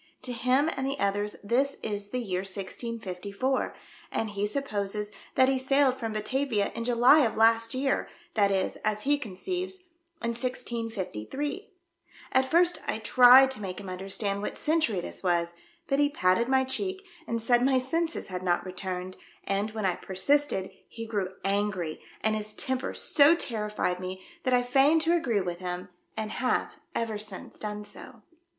To him and the others this is the year 1654, and he supposes that he sailed from Batavia in July of last year, that is, as he conceives, in 1653. ^t first I tried to make him understand what century this was, but he patted my cheek, and said my senses had not re'.urned, and, when I persisted, he grew angry, and his temper so terrified me that I 13^ THE DEATH SHIP. feigned to agree with him, and have ever since done so."